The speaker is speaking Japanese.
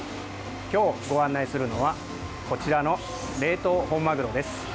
今日ご案内するのはこちらの冷凍本マグロです。